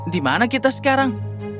di mana kita sekarang